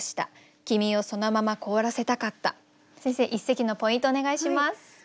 先生一席のポイントをお願いします。